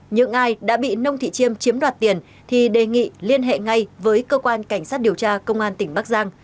những ai đã bị nông thị chiêm chiếm đoạt tiền thì đề nghị liên hệ ngay với cơ quan cảnh sát điều tra công an tỉnh bắc giang